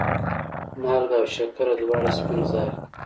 مالګه او شکره دواړه سپین زهر دي.